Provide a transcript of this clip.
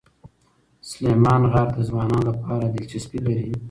سلیمان غر د ځوانانو لپاره دلچسپي لري.